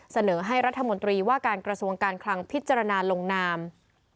เสนอให้รัฐมนตรีว่าการกระทรวงการคลังพิจารณาลงนาม